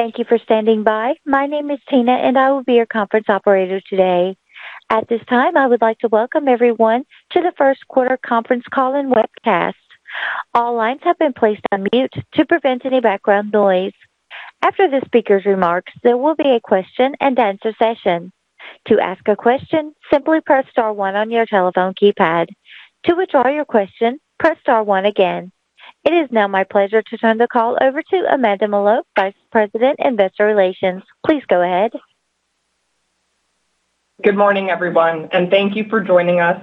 Thank you for standing by. My name is Tina, and I will be your conference operator today. At this time, I would like to welcome everyone to the first quarter conference call and webcast. All lines have been placed on mute to prevent any background noise. After the speaker's remarks, there will be a question-and-answer session. To ask a question, simply press star one on your telephone keypad. To withdraw your question, press star one again. It is now my pleasure to turn the call over to Amanda Mallough, Vice President, Investor Relations. Please go ahead. Good morning, everyone, and thank you for joining us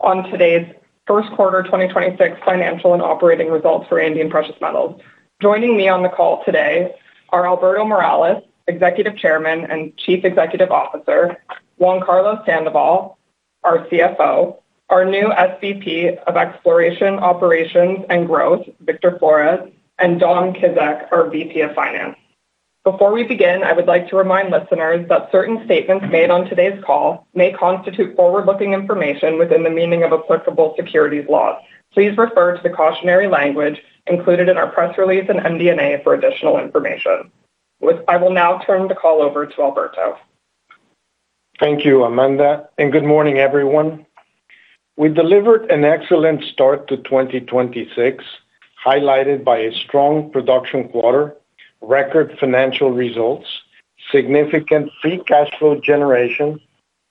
on today's first quarter 2026 financial and operating results for Andean Precious Metals. Joining me on the call today are Alberto Morales, Executive Chairman and Chief Executive Officer, Juan Carlos Sandoval, our CFO, our new SVP of Exploration, Operations and Growth, Victor Flores, and Dom Kizak, our VP of Finance. Before we begin, I would like to remind listeners that certain statements made on today's call may constitute forward-looking information within the meaning of applicable securities laws. Please refer to the cautionary language included in our press release in MD&A for additional information. I will now turn the call over to Alberto. Thank you, Amanda, and good morning, everyone. We delivered an excellent start to 2026, highlighted by a strong production quarter, record financial results, significant free cash flow generation,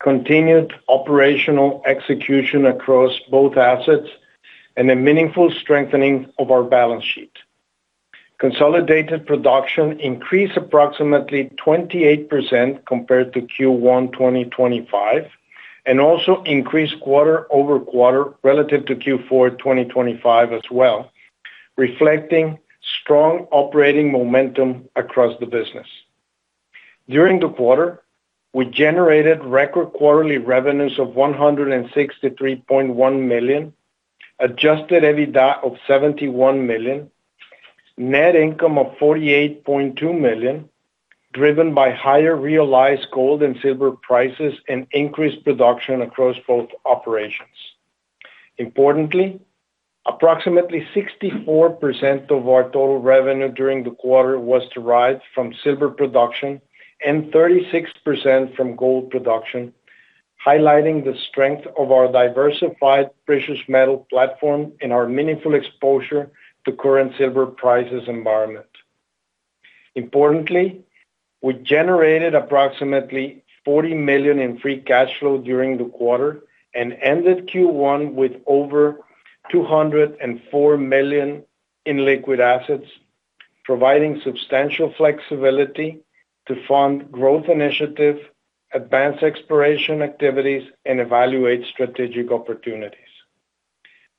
continued operational execution across both assets, and a meaningful strengthening of our balance sheet. Consolidated production increased approximately 28% compared to Q1 2025, and also increased quarter-over-quarter relative to Q4 2025 as well, reflecting strong operating momentum across the business. During the quarter, we generated record quarterly revenues of $163.1 million, adjusted EBITDA of $71 million, net income of $48.2 million, driven by higher realized gold and silver prices and increased production across both operations. Importantly, approximately 64% of our total revenue during the quarter was derived from silver production and 36% from gold production, highlighting the strength of our diversified precious metal platform and our meaningful exposure to current silver prices environment. Importantly, we generated approximately $40 million in free cash flow during the quarter and ended Q1 with over $204 million in liquid assets, providing substantial flexibility to fund growth initiatives, advance exploration activities, and evaluate strategic opportunities.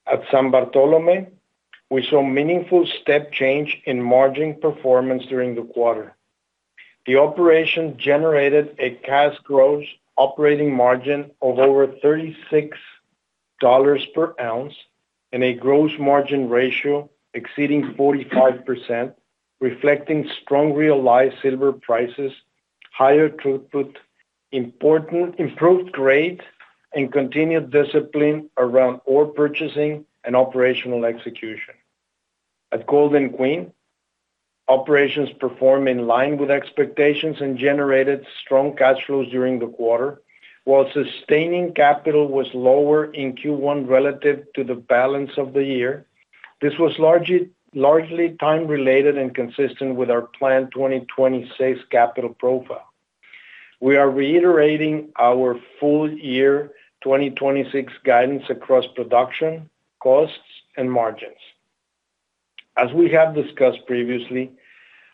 At San Bartolomé, we saw meaningful step change in margin performance during the quarter. The operation generated a cash gross operating margin of over $36 per oz and a gross margin ratio exceeding 45%, reflecting strong realized silver prices, higher throughput, improved grade, and continued discipline around ore purchasing and operational execution. At Golden Queen, operations performed in line with expectations and generated strong cash flows during the quarter. While sustaining capital was lower in Q1 relative to the balance of the year, this was largely time-related and consistent with our planned 2026 capital profile. We are reiterating our full year 2026 guidance across production, costs, and margins. As we have discussed previously,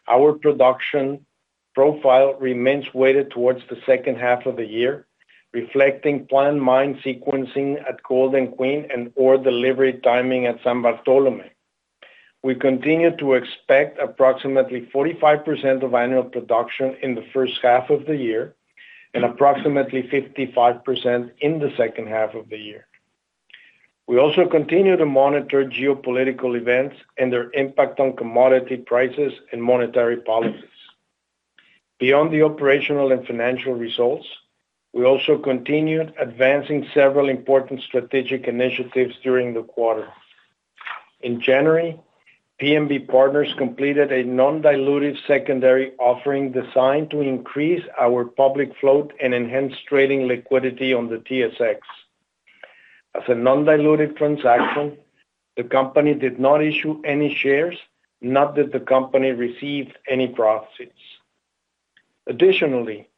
our production profile remains weighted towards the second half of the year, reflecting planned mine sequencing at Golden Queen and ore delivery timing at San Bartolomé. We continue to expect approximately 45% of annual production in the first half of the year and approximately 55% in the second half of the year. We also continue to monitor geopolitical events and their impact on commodity prices and monetary policies. Beyond the operational and financial results, we also continued advancing several important strategic initiatives during the quarter. In January, PMB Partners completed a non-dilutive secondary offering designed to increase our public float and enhance trading liquidity on the TSX. As a non-dilutive transaction, the company did not issue any shares, nor did the company receive any proceeds. Additionally,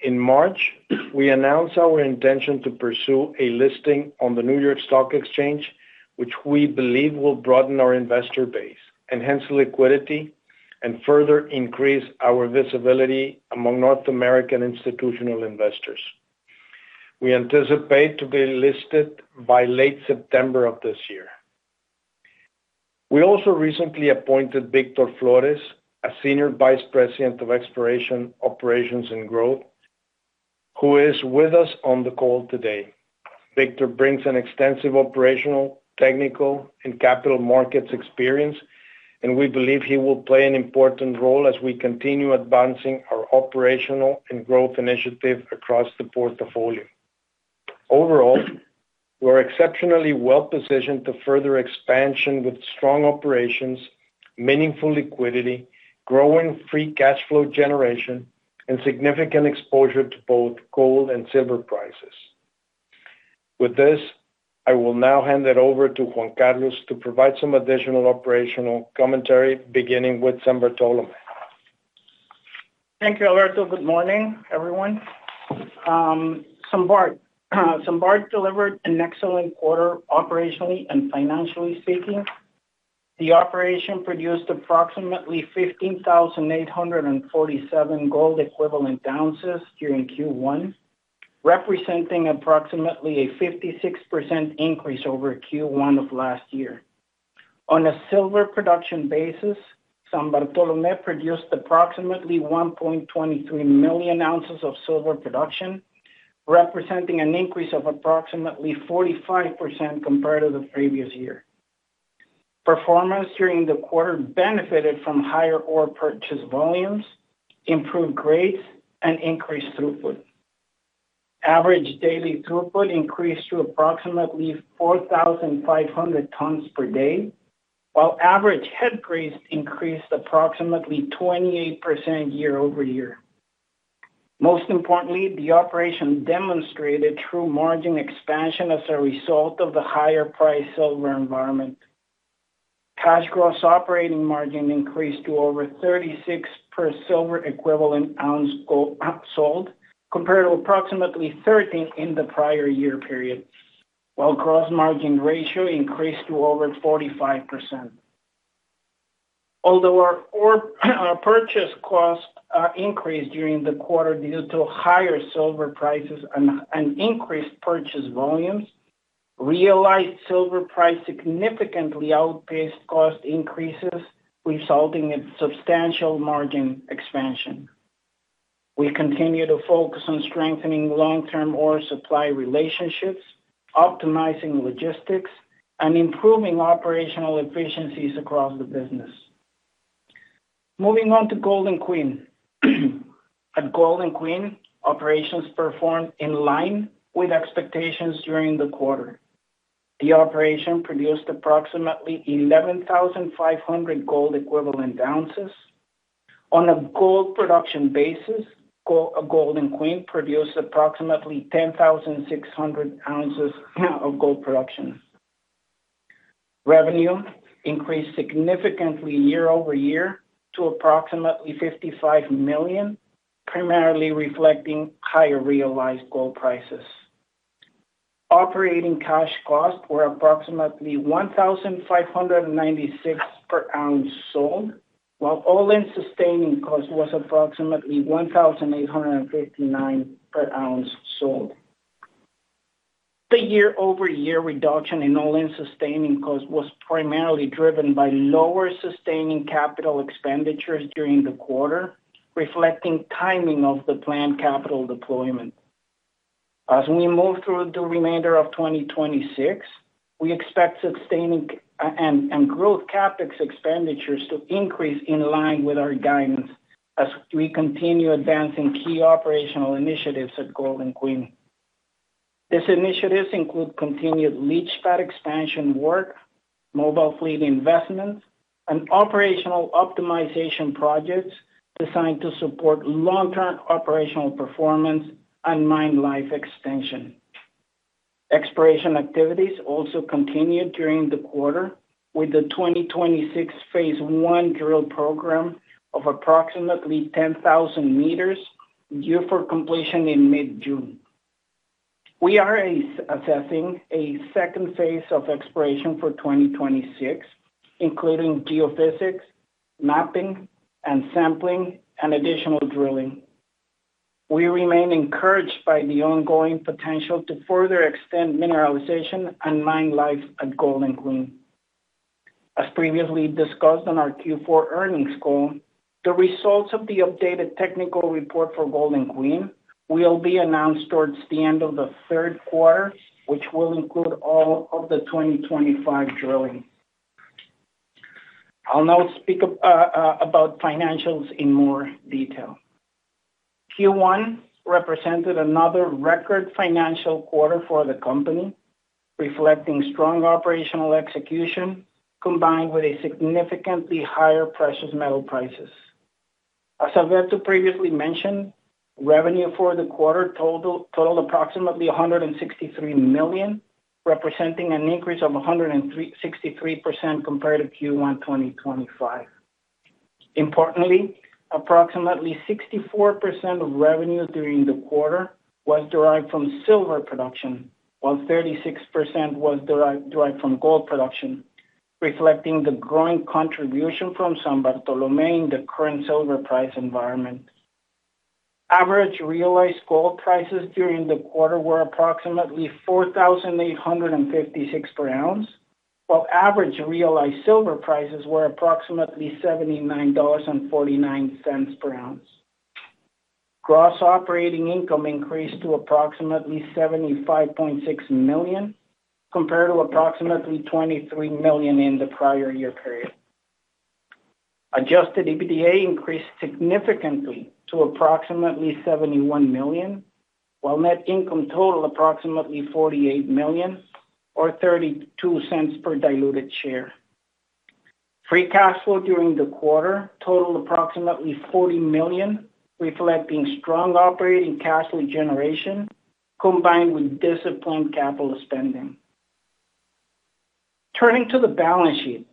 in March, we announced our intention to pursue a listing on the New York Stock Exchange, which we believe will broaden our investor base, enhance liquidity, and further increase our visibility among North American institutional investors. We anticipate to be listed by late September of this year. We also recently appointed Victor Flores, a Senior Vice President of Exploration, Operations and Growth, who is with us on the call today. Victor brings an extensive operational, technical, and capital markets experience, and we believe he will play an important role as we continue advancing our operational and growth initiative across the portfolio. Overall, we're exceptionally well-positioned to further expansion with strong operations, meaningful liquidity, growing free cash flow generation, and significant exposure to both gold and silver prices. With this, I will now hand it over to Juan Carlos to provide some additional operational commentary, beginning with San Bartolomé. Thank you, Alberto. Good morning, everyone. San Bart delivered an excellent quarter operationally and financially speaking. The operation produced approximately 15,847 gold equivalent ounces during Q1, representing approximately a 56% increase over Q1 of last year. On a silver production basis, San Bartolomé produced approximately 1.23 million oz of silver production, representing an increase of approximately 45% compared to the previous year. Performance during the quarter benefited from higher ore purchase volumes, improved grades, and increased throughput. Average daily throughput increased to approximately 4,500 tons per day, while average head grades increased approximately 28% year-over-year. Most importantly, the operation demonstrated true margin expansion as a result of the higher price silver environment. Cash gross operating margin increased to over $36 per silver equivalent ounce sold, compared to approximately $13 in the prior year period. While gross margin ratio increased to over 45%. Although our ore, our purchase costs increased during the quarter due to higher silver prices and increased purchase volumes, realized silver price significantly outpaced cost increases, resulting in substantial margin expansion. We continue to focus on strengthening long-term ore supply relationships, optimizing logistics, and improving operational efficiencies across the business. Moving on to Golden Queen. At Golden Queen, operations performed in line with expectations during the quarter. The operation produced approximately 11,500 gold equivalent ounces. On a gold production basis, Golden Queen produced approximately 10,600 oz of gold production. Revenue increased significantly year-over-year to approximately $55 million, primarily reflecting higher realized gold prices. Operating cash costs were approximately $1,596 per oz sold, while all-in sustaining cost was approximately $1,859 per oz sold. The year-over-year reduction in all-in sustaining cost was primarily driven by lower sustaining capital expenditures during the quarter, reflecting timing of the planned capital deployment. As we move through the remainder of 2026, we expect sustaining and growth CapEx expenditures to increase in line with our guidance as we continue advancing key operational initiatives at Golden Queen. These initiatives include continued leach pad expansion work, mobile fleet investments, and operational optimization projects designed to support long-term operational performance and mine life extension. Exploration activities also continued during the quarter, with the 2026 Phase 1 drill program of approximately 10,000 m due for completion in mid-June. We are assessing a second phase of exploration for 2026, including geophysics, mapping, and sampling, and additional drilling. We remain encouraged by the ongoing potential to further extend mineralization and mine life at Golden Queen. As previously discussed on our Q4 earnings call, the results of the updated technical report for Golden Queen will be announced towards the end of the third quarter, which will include all of the 2025 drilling. I'll now speak about financials in more detail. Q1 represented another record financial quarter for the company, reflecting strong operational execution combined with a significantly higher precious metal prices. As Alberto previously mentioned, revenue for the quarter totaled approximately $163 million, representing an increase of 163% compared to Q1 2025. Importantly, approximately 64% of revenue during the quarter was derived from silver production, while 36% was derived from gold production, reflecting the growing contribution from San Bartolomé in the current silver price environment. Average realized gold prices during the quarter were approximately $4,856 per oz, while average realized silver prices were approximately $79.49 per oz. Gross operating income increased to approximately $75.6 million, compared to approximately $23 million in the prior year period. Adjusted EBITDA increased significantly to approximately $71 million, while net income totaled approximately $48 million or $0.32 per diluted share. Free cash flow during the quarter totaled approximately $40 million, reflecting strong operating cash flow generation combined with disciplined capital spending. Turning to the balance sheet.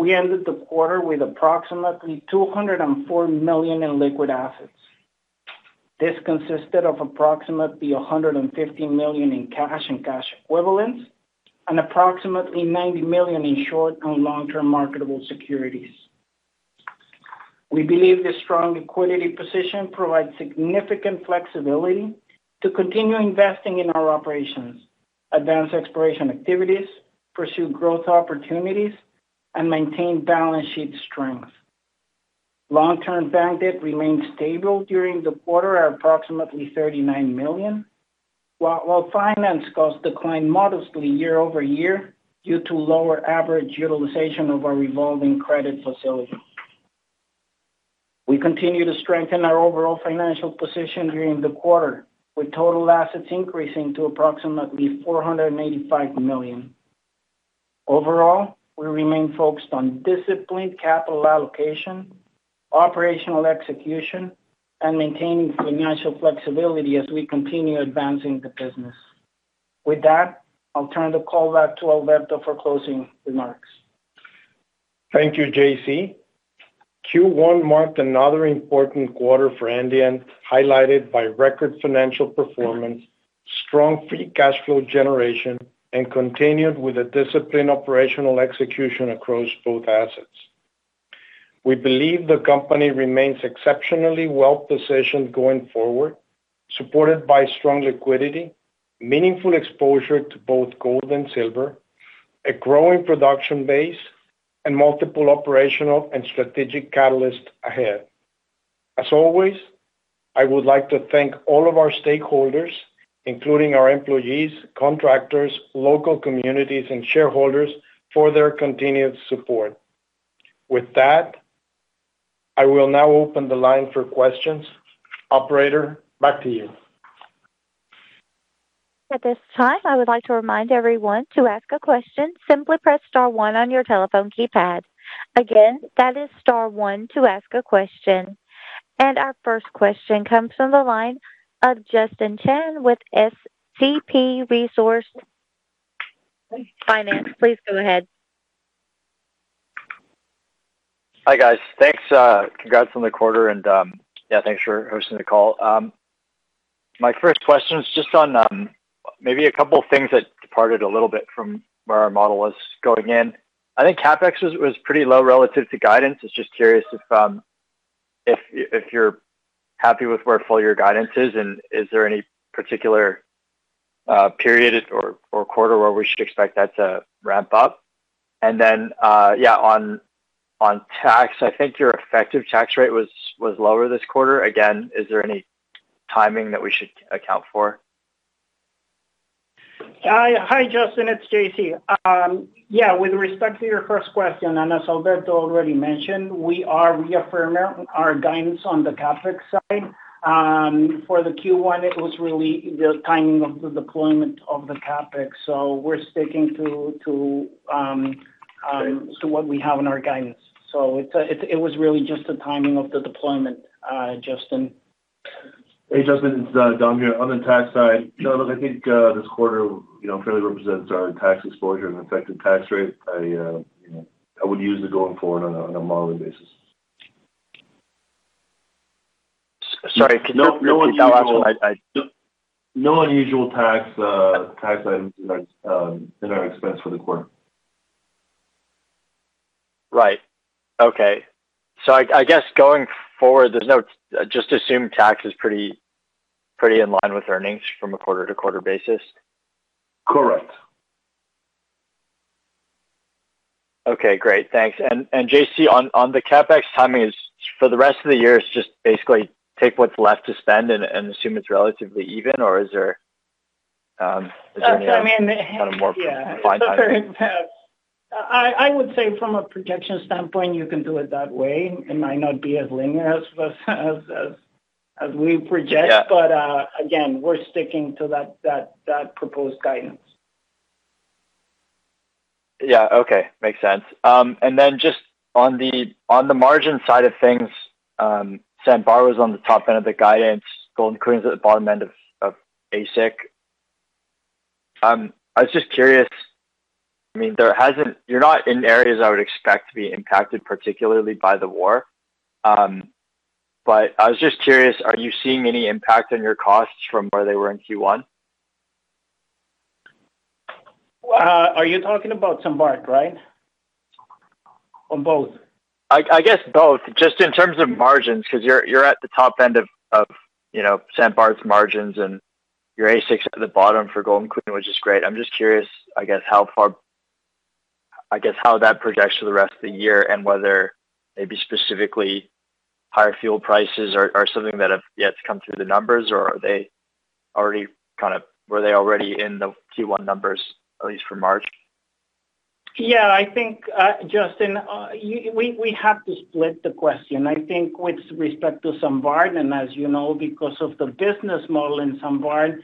We ended the quarter with approximately $204 million in liquid assets. This consisted of approximately $150 million in cash and cash equivalents, and approximately $90 million in short- and long-term marketable securities. We believe this strong liquidity position provides significant flexibility to continue investing in our operations, advance exploration activities, pursue growth opportunities, and maintain balance sheet strength. Long-term bank debt remained stable during the quarter at approximately $39 million, while finance costs declined modestly year-over-year due to lower average utilization of our revolving credit facility. We continue to strengthen our overall financial position during the quarter, with total assets increasing to approximately $485 million. Overall, we remain focused on disciplined capital allocation, operational execution, and maintaining financial flexibility as we continue advancing the business. With that, I'll turn the call back to Alberto for closing remarks. Thank you, J.C. Q1 marked another important quarter for Andean, highlighted by record financial performance, strong free cash flow generation, and continued with a disciplined operational execution across both assets. We believe the company remains exceptionally well-positioned going forward, supported by strong liquidity, meaningful exposure to both gold and silver, a growing production base, and multiple operational and strategic catalysts ahead. As always, I would like to thank all of our stakeholders, including our employees, contractors, local communities, and shareholders for their continued support. With that, I will now open the line for questions. Operator, back to you. At this time, I would like to remind everyone, to ask a question, simply press star one on your telephone keypad. Again, that is star one to ask a question. Our first question comes from the line of Justin Chan with SCP Resource Finance. Please go ahead. Hi, guys. Thanks, congrats on the quarter and, yeah, thanks for hosting the call. My first question is just on, maybe a couple of things that departed a little bit from where our model was going in. I think CapEx was pretty low relative to guidance. It's just curious if you're happy with where full-year guidance is, and is there any particular period or quarter where we should expect that to ramp up? Yeah, on tax, I think your effective tax rate was lower this quarter. Again, is there any timing that we should account for? Hi. Hi, Justin. It's J.C. Yeah, with respect to your first question, and as Alberto already mentioned, we are reaffirming our guidance on the CapEx side. For the Q1, it was really the timing of the deployment of the CapEx. We're sticking to what we have in our guidance. It was really just the timing of the deployment, Justin. Hey, Justin, it's Dom here. On the tax side, no, look, I think, this quarter, you know, fairly represents our tax exposure and effective tax rate. I, you know, I would use it going forward on a modeling basis. Sorry, could you- No unusual tax items in our, in our expense for the quarter. Right. Okay. I guess going forward, just assume tax is pretty in line with earnings from a quarter-to-quarter basis? Correct. Okay, great. Thanks. J.C., on the CapEx timing, for the rest of the year, it's just basically take what's left to spend and assume it's relatively even, or is there? So, I mean- Kinda more. I would say from a projection standpoint, you can do it that way. It might not be as linear as we project. Yeah. Again, we're sticking to that proposed guidance. Yeah. Okay. Makes sense. Just on the margin side of things, San Bart was on the top end of the guidance. Golden Queen's at the bottom end of AISC. I was just curious, I mean, you're not in areas I would expect to be impacted particularly by the war. I was just curious, are you seeing any impact on your costs from where they were in Q1? Are you talking about San Bart, right? Or both? I guess both, just in terms of margins, 'cause you're at the top end of, you know, San Bart's margins and your AISC at the bottom for Golden Queen, which is great. I'm just curious, how that projects for the rest of the year and whether maybe specifically, higher fuel prices are something that have yet to come through the numbers or are they already in the Q1 numbers, at least for March? Yeah, I think, Justin, we have to split the question. I think with respect to San Bart, and as you know, because of the business model in San Bart,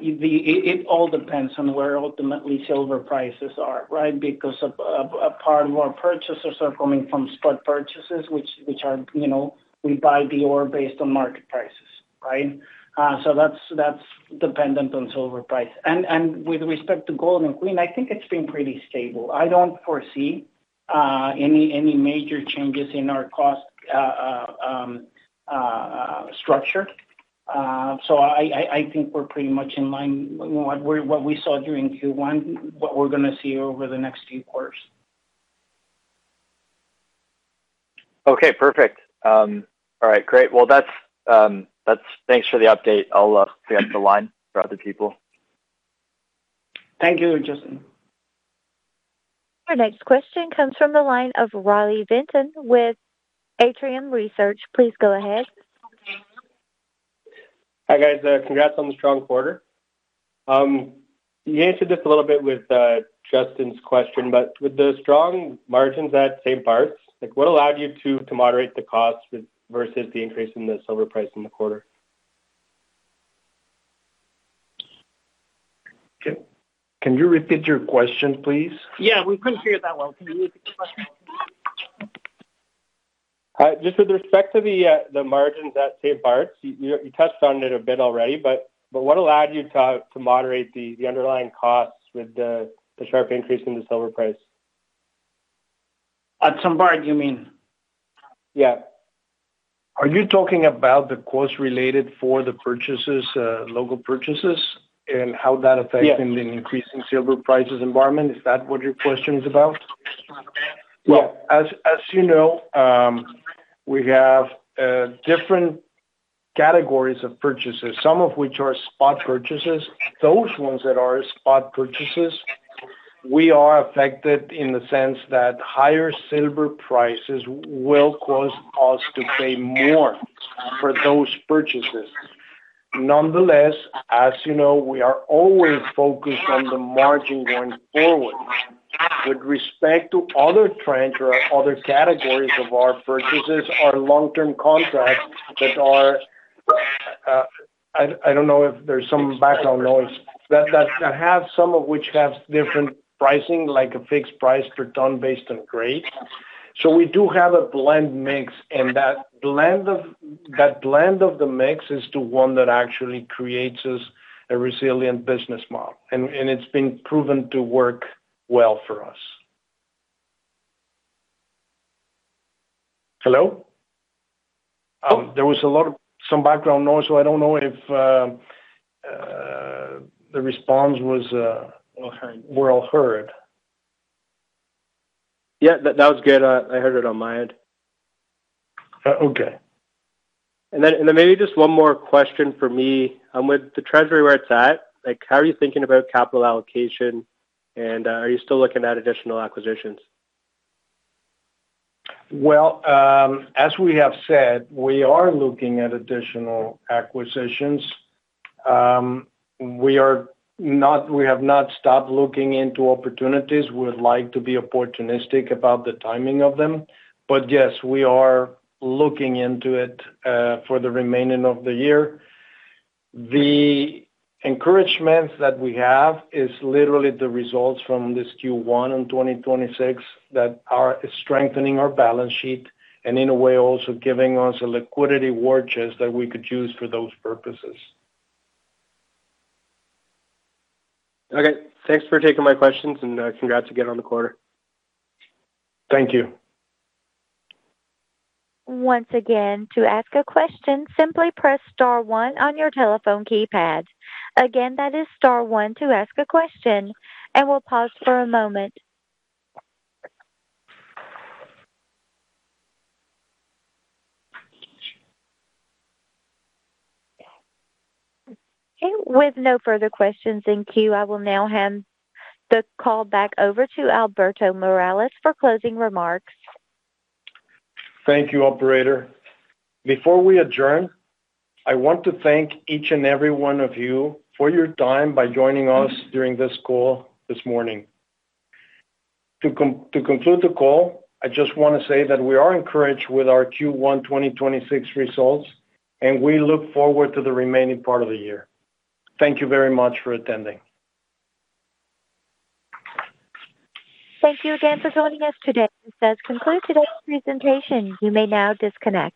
it all depends on where ultimately silver prices are, right? Because of a part of our purchasers are coming from spot purchases, which are, you know, we buy the ore based on market prices, right? That's dependent on silver price. With respect to Golden Queen, I think it's been pretty stable. I don't foresee any major changes in our cost structure. I think we're pretty much in line what we saw during Q1, what we're going to see over the next few quarters. Okay, perfect. All right, great. That's, thanks for the update. I'll get off the line for other people. Thank you, Justin. Our next question comes from the line of Riley Venton with Atrium Research. Please go ahead. Hi, guys. Congrats on the strong quarter. You answered this a little bit with Justin's question, but with the strong margins at San Bart, like, what allowed you to moderate the cost with versus the increase in the silver price in the quarter? Can you repeat your question, please? Yeah, we couldn't hear you that well. Can you repeat the question? Just with respect to the margins at San Bart, you touched on it a bit already, but what allowed you to moderate the underlying costs with the sharp increase in the silver price? At San Bart, you mean? Yeah. Are you talking about the cost related for the purchases, local purchases, and how that affects? Yeah. In the increasing silver prices environment? Is that what your question is about? Well, as you know, we have different categories of purchases, some of which are spot purchases. Those ones that are spot purchases, we are affected in the sense that higher silver prices will cause us to pay more for those purchases. Nonetheless, as you know, we are always focused on the margin going forward. With respect to other trends or other categories of our purchases or long-term contracts that are, I don't know if there's some background noise. That have some of which have different pricing, like a fixed price per ton based on grade. We do have a blend mix, and that blend of the mix is to one that actually creates us a resilient business model, and it's been proven to work well for us. Hello? There was a lot of background noise, so I don't know if the response was. Well heard. Well heard. Yeah, that was good. I heard it on my end. Okay. Maybe just one more question from me. With the treasury where it's at, like, how are you thinking about capital allocation, and, are you still looking at additional acquisitions? As we have said, we are looking at additional acquisitions. We have not stopped looking into opportunities. We would like to be opportunistic about the timing of them. Yes, we are looking into it for the remaining of the year. The encouragement that we have is literally the results from this Q1 in 2026 that are strengthening our balance sheet and in a way also giving us a liquidity war chest that we could use for those purposes. Okay. Thanks for taking my questions, and congrats again on the quarter. Thank you. Once again, to ask a question, simply press star one on your telephone keypad. Again, that is star one to ask a question, and we'll pause for a moment. Okay, with no further questions in queue, I will now hand the call back over to Alberto Morales for closing remarks. Thank you, operator. Before we adjourn, I want to thank each and every one of you for your time by joining us during this call this morning. To conclude the call, I just want to say that we are encouraged with our Q1 2026 results, and we look forward to the remaining part of the year. Thank you very much for attending. Thank you again for joining us today. This does conclude today's presentation. You may now disconnect.